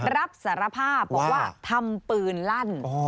รับสารภาพบอกว่าทำปืนลั่น